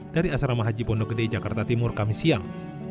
dari asrama haji pondok gede jakarta timur kami siang